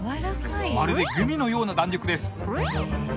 まるでグミのような弾力です。